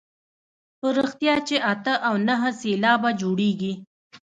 په رښتیا چې اته او نهه سېلابه جوړوي.